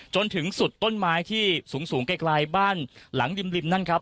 จนถึงสุดต้นไม้ที่สูงไกลบ้านหลังริมนั่นครับ